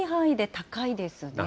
高いですね。